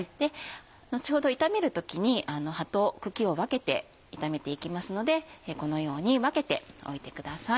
後ほど炒める時に葉と茎を分けて炒めていきますのでこのように分けておいてください。